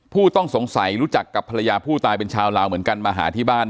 ผู้ต้องสงสัยรู้จักกับภรรยาผู้ตายเป็นชาวลาวเหมือนกันมาหาที่บ้าน